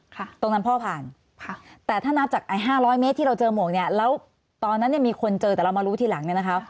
ตรงนั้นพ่อผ่านค่ะแต่ถ้านับจากไอ้ห้าร้อยเมตรที่เราเจอหมวกเนี้ยแล้วตอนนั้นเนี่ยมีคนเจอแต่เรามารู้ทีหลังเนี่ยนะคะ